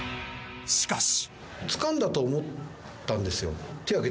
しかし。